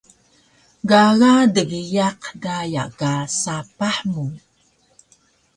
Gaga dgiyaq daya ka sapah mu